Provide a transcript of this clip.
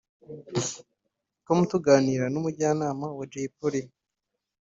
com tuganira n’umujyanama wa Jay Polly